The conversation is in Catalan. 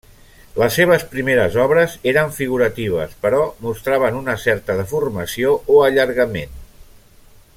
Les seves primeres obres eren figuratives però mostraven una certa deformació o allargament.